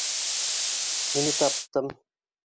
Һине таптым.